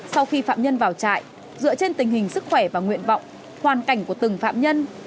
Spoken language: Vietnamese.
sau khi phạm nhân vào trại dựa trên tình hình sức khỏe và nguyện vọng hoàn cảnh của từng phạm nhân